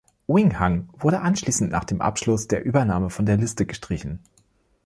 Wing Hang wurde anschließend nach Abschluss der Übernahme von der Liste gestrichen.